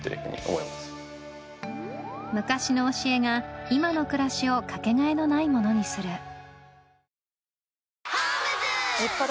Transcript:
昔の教えが今の暮らしをかけがえのないものにする